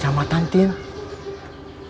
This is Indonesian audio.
di camatan tintin